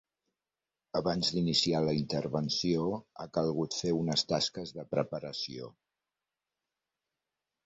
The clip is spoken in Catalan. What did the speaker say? Abans d'iniciar la intervenció, ha calgut fer unes tasques de preparació.